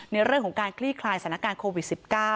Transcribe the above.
ในเรื่องของการคลี่คลายสถานการณ์โควิด๑๙